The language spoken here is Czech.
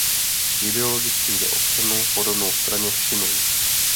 Ideologicky jde o stranu podobnou straně Šinuj.